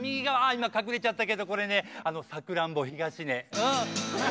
今隠れちゃったけどこれねさくらんぼ東根。